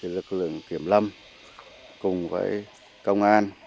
lực lượng kiểm lâm cùng với công an